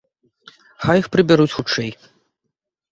Хай іх прыбяруць хутчэй.